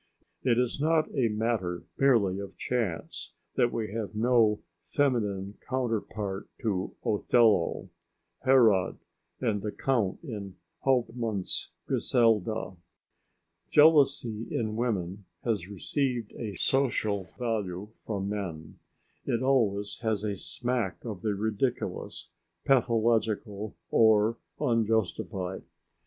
It is not a matter merely of chance that we have no feminine counterpart to Othello, Herod and the Count in Hauptmann's "Griselda." Jealousy in women has received a social valuation from men; it always has a smack of the ridiculous, pathological, or unjustified.